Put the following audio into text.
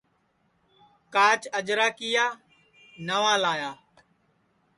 کاچ اجرا کیا نئوا لایا